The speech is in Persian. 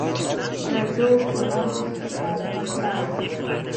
رجوع کنیم بسر مطلب